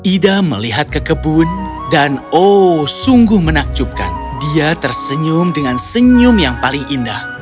ida melihat ke kebun dan oh sungguh menakjubkan dia tersenyum dengan senyum yang paling indah